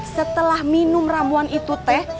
setelah minum ramuan itu teh